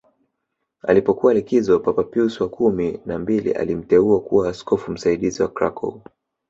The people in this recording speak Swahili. Alipokuwa likizo Papa Pius wa kumi na mbili alimteua kuwa askofu msaidizi wa Krakow